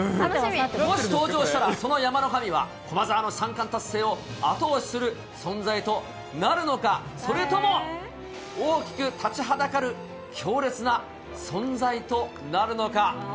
もし登場したら、その山の神は、駒澤の三冠達成を後押しする存在となるのか、それとも、大きく立ちはだかる強烈な存在となるのか。